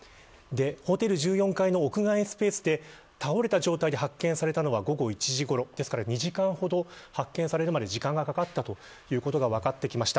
ホテル、１４階の屋外スペースで倒れた状態で発見されたのが午後１時ごろですから２時間ほど発見されるまで時間がかかったのが分かってきました。